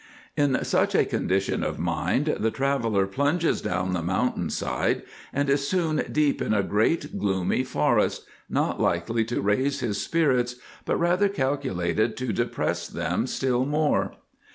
In such a condition of mind the traveller plunges down the mountain side and is soon deep in a great gloomy forest, not likely to raise his spirits, but rather calculated to depress them still more.